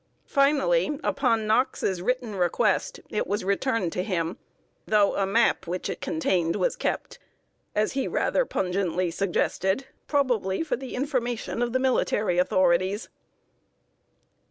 Finally, upon Knox's written request, it was returned to him, though a map which it contained was kept as he rather pungently suggested, probably for the information of the military authorities!